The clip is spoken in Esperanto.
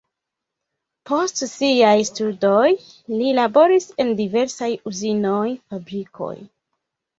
Post siaj studoj li laboris en diversaj uzinoj, fabrikoj.